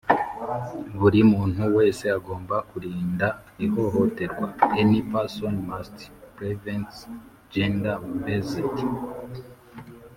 Buri muntu wese agomba kurinda ihohoterwa Any person must prevent gender based